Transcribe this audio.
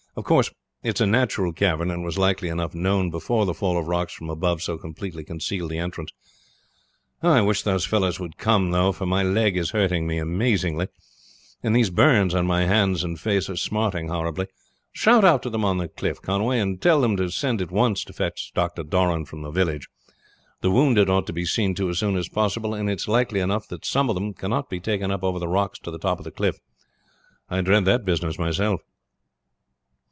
Of course it is a natural cavern, and was likely enough known before the fall of rocks from above so completely concealed the entrance. I wish those fellows would come, though, for my leg is hurting me amazingly, and these burns on my hands and face are smarting horribly. Shout out to them on the cliff, Conway, and tell them to send at once to fetch Dr. Doran from the village. The wounded ought to be seen to as soon as possible, and it is likely enough that some of them cannot be taken up over the rocks to the top of the cliff. I dread the business myself."